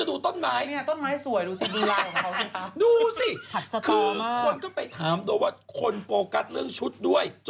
แองจิ๊กแต่ตบปลาแองจิ๊ก